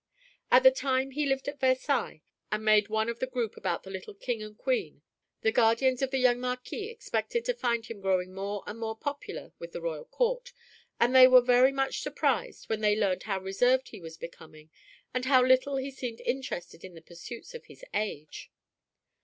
At the time he lived at Versailles and made one of the group about the little King and Queen, the guardians of the young Marquis expected to find him growing more and more popular with the royal court, and they were very much surprised when they learned how reserved he was becoming and how little he seemed interested in the pursuits of his age.